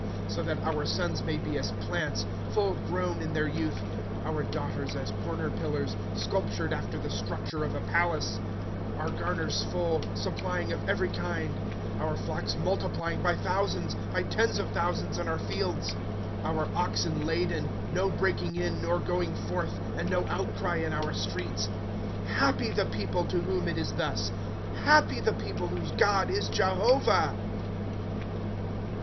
" So that our sons may be as plants, Full grown in their youth ; Our daughters as corner pillars. Sculptured after the structure of a palace ;^^ Our garners full, supplying of every kind ; Our flocks multiplying by thousands, By tens of thousands, in oui fields ; ./Google ^* Our oxen laden ; No breaking in, nor going forth, And no outcry in our streets. ^^ Happy the people to whom it is thus ; Happy the people whose God is Jehovah